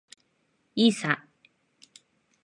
いいさ。